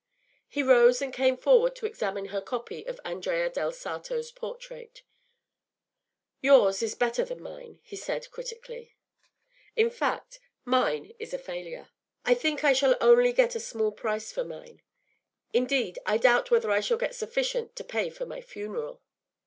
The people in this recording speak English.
” He rose and came forward to examine her copy of Andrea del Sarto’s portrait. “Yours is better than mine,” he said, critically; “in fact, mine is a failure. I think I shall only get a small price for mine; indeed, I doubt whether I shall get sufficient to pay for my funeral.